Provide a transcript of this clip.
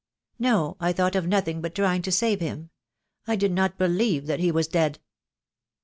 "No, I thought of nothing but trying to save him. I did not believe that he was dead."